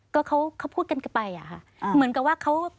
ก็เขาพูดกันกันไปค่ะ